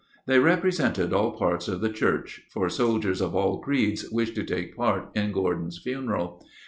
They represented all parts of the Church, for soldiers of all creeds wished to take part in Gordon's 'funeral.